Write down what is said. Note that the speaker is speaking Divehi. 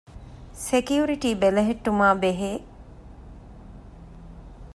ސެކިއުރިޓީ ބެލެހެއްޓުމާ ބެހޭ